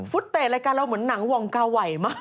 ฟุตเดชน์รายการเราเหมือนหนังวองกาไหว่มาก